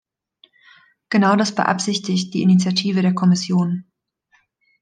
Genau das beabsichtigt die Initiative der Kommission.